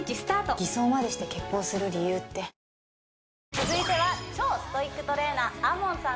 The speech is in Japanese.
続いては超ストイックトレーナーＡＭＯＮさん